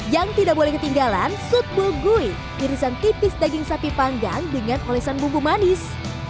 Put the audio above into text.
yang tidak boleh ketinggalan sut bull gui irisan tipis daging sapi panggang dengan olesan bumbu manis